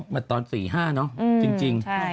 หรือตอน๔๕เนาะจริง